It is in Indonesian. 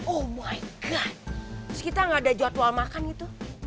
oh my god kita nggak ada jadwal makan itu